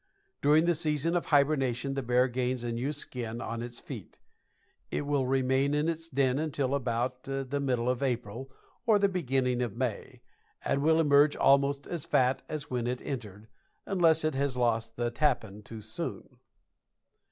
During the season of hibernation, the bear gains a new skin on its feet. It will remain in its den until about the middle of April or the beginning of May, and will emerge almost as fat as when it entered, unless it has lost the "tappen" too soon.